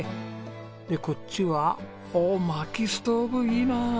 でこっちはおっ薪ストーブいいな。